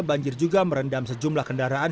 banjir juga merendam sejumlah kendaraan